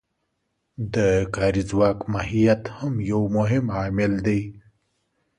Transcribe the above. د کاري ځواک ماهیت هم یو مهم عامل دی